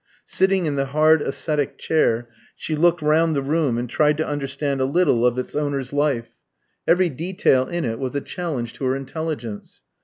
Sitting in the hard ascetic chair, she looked round the room and tried to understand a little of its owner's life. Every detail in it was a challenge to her intelligence.